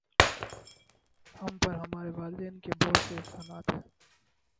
ہم پر ہمارے والدین کے بہت سے احسانات ہیں